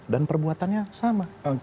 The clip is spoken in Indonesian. dan perbuatannya sama